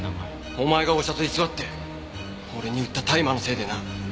お前がお茶と偽って俺に売った大麻のせいでな。